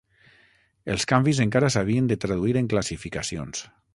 Els canvis encara s'havien de traduir en classificacions.